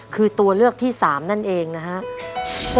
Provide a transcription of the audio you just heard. คือตัวเลือกที่๓นั่นเองนะครับ